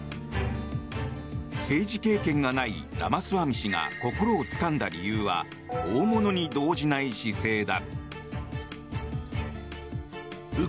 政治経験がないラマスワミ氏が心をつかんだ理由は大物に動じない姿勢だ。